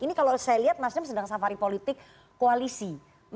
ini kalau saya lihat nasdem sedang safari politik koalisi